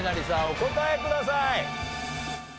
お答えください。